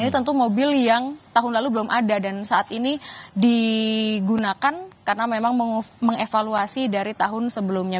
ini tentu mobil yang tahun lalu belum ada dan saat ini digunakan karena memang mengevaluasi dari tahun sebelumnya